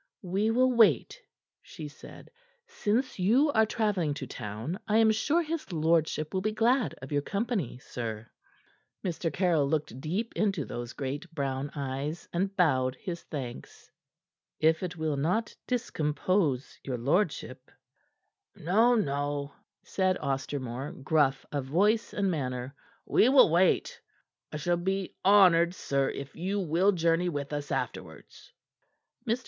"We will wait," she said. "Since you are travelling to town, I am sure his lordship will be glad of your company, sir." Mr. Caryll looked deep into those great brown eyes, and bowed his thanks. "If it will not discompose your lordship " "No, no," said Ostermore, gruff of voice and manner. "We will wait. I shall be honored, sir, if you will journey with us afterwards." Mr.